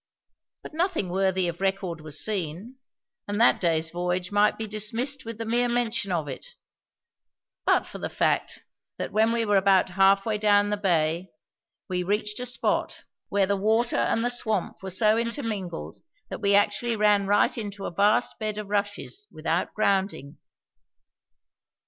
But nothing worthy of record was seen; and that day's voyage might be dismissed with the mere mention of it, but for the fact that when we were about half way down the bay we reached a spot where the water and the swamp were so intermingled that we actually ran right into a vast bed of rushes without grounding.